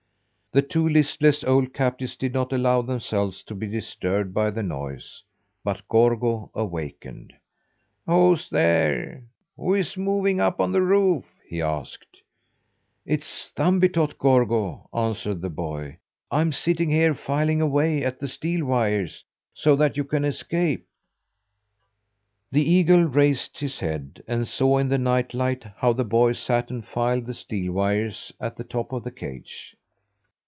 The two listless old captives did not allow themselves to be disturbed by the noise, but Gorgo awakened. "Who's there? Who is moving up on the roof?" he asked. "It's Thumbietot, Gorgo," answered the boy. "I'm sitting here filing away at the steel wires so that you can escape." The eagle raised his head, and saw in the night light how the boy sat and filed the steel wires at the top of the cage.